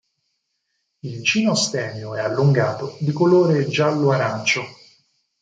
Il ginostemio è allungato, di colore giallo arancio.